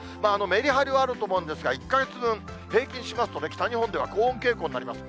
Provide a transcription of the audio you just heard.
メリハリはあると思うんですが、１か月分、平均しますと北日本では高温傾向になります。